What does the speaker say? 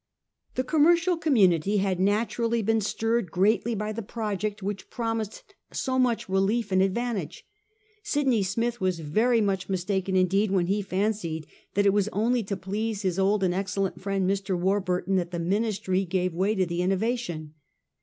The commercial community had naturally been stirred greatly by the project which promised so much relief and advantage. Sydney Smith was very much mistaken indeed when he fancied that it was only to please his old and excellent friend, Mr. Warburton, that the Ministry gave way to the innovation.